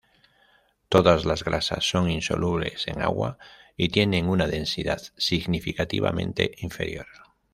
Todas las grasas son insolubles en agua y tienen una densidad significativamente inferior.